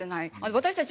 私たち